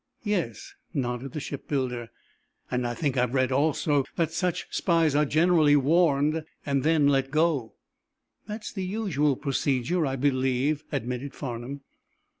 "Yes," nodded the shipbuilder. "And I think I've read, also, that such spies are generally warned and then let go." "That's the usual procedure, I believe," admitted Farnum.